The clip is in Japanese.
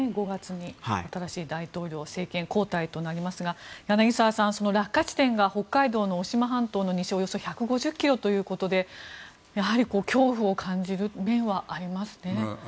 ５月に新しい大統領政権交代となりますが柳澤さん、その落下地点が北海道の渡島半島の西およそ１５０ｋｍということでやはり恐怖を感じる面はありますね。